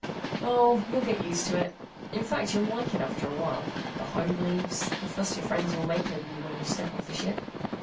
"Oh, you'll get used to it. In fact, you'll like it after a while. The home leaves. The fuss your friends will make over you when you step off the ship.